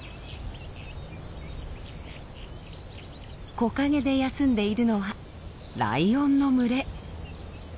木陰で休んでいるのはライオンの群れ。